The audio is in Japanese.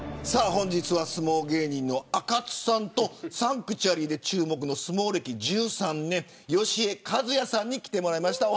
本日は相撲芸人のあかつさんとサンクチュアリで注目の相撲歴１３年、義江和也さんに来てもらいました。